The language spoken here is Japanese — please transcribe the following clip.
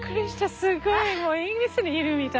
すごい！